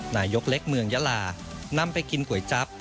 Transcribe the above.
นายกเล็กเมืองยาลานำไปกินก๋วยจั๊บ